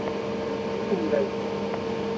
ھون درزي ھون